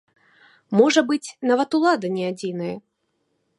Можа быць, нават улада не адзінае.